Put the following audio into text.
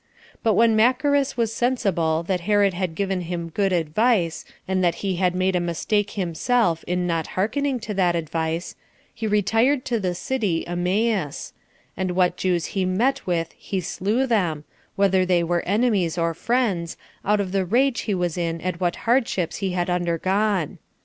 But when Macheras was sensible that Herod had given him good advice, and that he had made a mistake himself in not hearkening to that advice, he retired to the city Emmaus; and what Jews he met with he slew them, whether they were enemies or friends, out of the rage he was in at what hardships he had undergone.